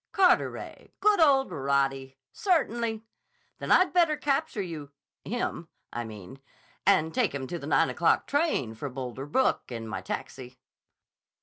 "Carteret. Good old Roddy! Certainly. Then I'd better capture you—him, I mean, and take him to the nine o'clock train for Boulder Brook, in my taxi."